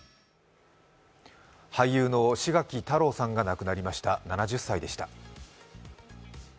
俳優の志垣太郎さんが亡くなりました、７０歳でした。